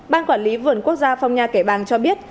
ban quản lý vườn quốc gia phong nha kẻ bàng cho biết